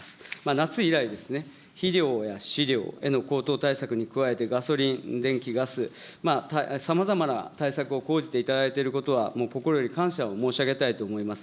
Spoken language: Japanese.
夏以来ですね、肥料や飼料への高騰対策に加えて、ガソリン、電気、ガス、さまざまな対策を講じていただいていることは、心より感謝を申し上げたいと思います。